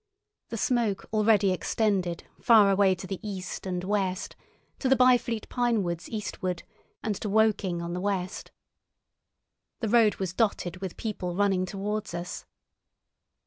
The smoke already extended far away to the east and west—to the Byfleet pine woods eastward, and to Woking on the west. The road was dotted with people running towards us.